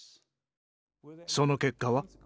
その結果は？